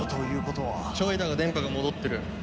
チョイだが電波が戻ってる。